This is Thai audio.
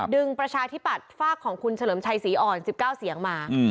ประชาธิปัตย์ฝากของคุณเฉลิมชัยศรีอ่อน๑๙เสียงมา